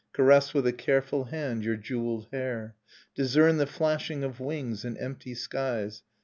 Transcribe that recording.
Caress with a careful hand your jewelled hair, Discern the flashing of wings in empty skies.